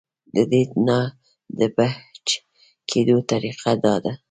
د دې نه د بچ کېدو طريقه دا ده -